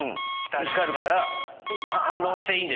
叱るから反論していいんでしょ？